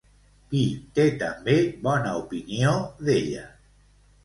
Qui té també bona opinió d'ella?